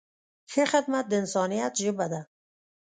ښه خدمت د انسانیت ژبه ده.